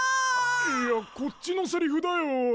いやこっちのセリフだよ。